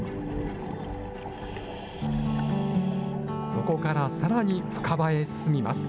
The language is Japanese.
そこからさらに深場へ進みます。